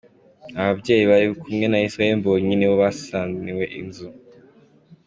Aba babyeyi bari kumwe na Israel Mbonyi nibo basaniwe inzu.